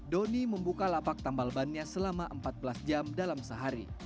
doni membuka lapak tambal bannya selama empat belas jam dalam sehari